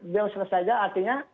jangan selesai aja artinya